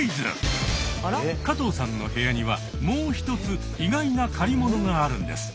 加藤さんの部屋にはもう１つ意外な「借りもの」があるんです。